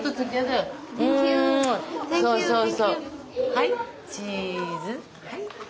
はいチーズ。